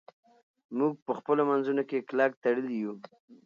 موږ په خپلو منځونو کې کلک تړلي یو.